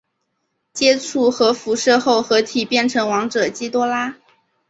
接触核辐射后合体变成王者基多拉。